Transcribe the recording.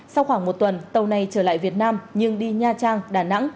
sau khoảng một tuần tàu này trở lại việt nam nhưng đi nha trang đà nẵng